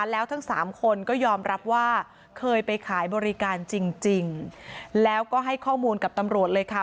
แล้วทั้งสามคนก็ยอมรับว่าเคยไปขายบริการจริงแล้วก็ให้ข้อมูลกับตำรวจเลยค่ะ